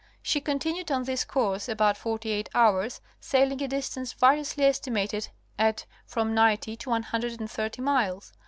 She continued on this course about forty eight hours, sailing a distance variously esti mated at from ninety to one hundred and thirty miles.